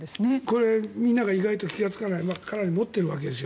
これ、みんなが意外と気がつかないかなり持っているわけです。